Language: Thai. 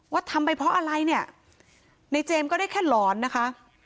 ทำไปเพราะอะไรเนี่ยในเจมส์ก็ได้แค่หลอนนะคะ